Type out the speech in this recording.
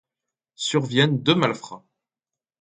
Surviennent deux malfrats.